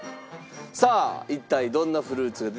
さあ一体どんなフルーツが出てくるのか？